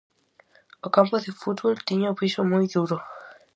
O campo de fútbol tiña o piso moi duro.